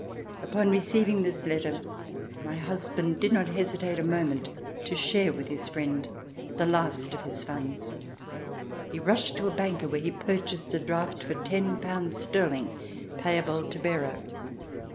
Upon receiving this letter, my husband did not hesitate a moment to share with his friend the last of his funds. He rushed to a banker where he purchased a draft for ten pounds sterling, payable to bearer.